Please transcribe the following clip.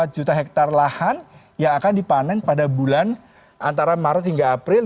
empat juta hektare lahan yang akan dipanen pada bulan antara maret hingga april